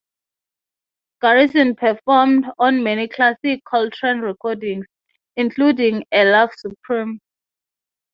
Garrison performed on many classic Coltrane recordings, including "A Love Supreme".